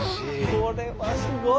これはすごい！